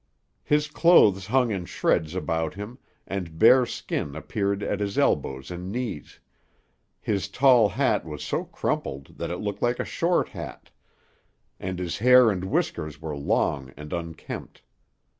His clothes hung in shreds about him, and bare skin appeared at his elbows and knees; his tall hat was so crumpled that it looked like a short hat, and his hair and whiskers were long and unkempt.